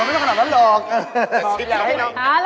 ราคาไม่น่าขนาดนั้นหรอก